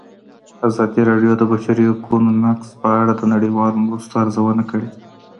ازادي راډیو د د بشري حقونو نقض په اړه د نړیوالو مرستو ارزونه کړې.